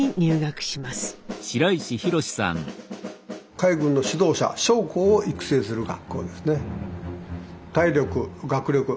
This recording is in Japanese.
海軍の指導者将校を育成する学校ですね。